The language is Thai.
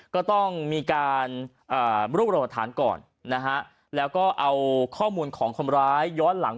ก็ต้องมีการรวบรวมหลักฐานก่อนนะฮะแล้วก็เอาข้อมูลของคนร้ายย้อนหลัง